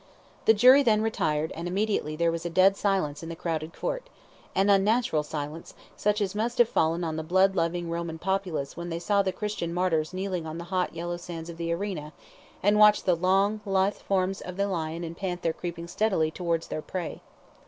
The jury then retired, and immediately there was a dead silence in the crowded Court an unnatural silence, such as must have fallen on the blood loving Roman populace when they saw the Christian martyrs kneeling on the hot yellow sands of the arena, and watched the long, lithe forms of lion and panther creeping steadily towards their prey.